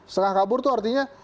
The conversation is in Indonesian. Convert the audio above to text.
setengah kabur itu artinya